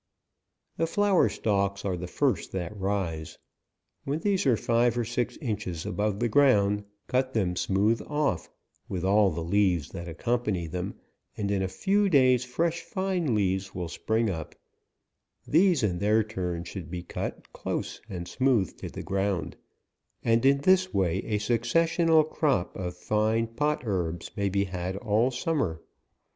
The flower stalks are the APRIL. ol first that rise ; when these are five or six inches above the i^round, cut them smooth off, with all the leaves that accompany them, and in a few days fresh fine leaves will spring up ; these in their turn should be cut close and smooth to the ground, and in this way a successioual crop of fine pot herbs may be had all summer.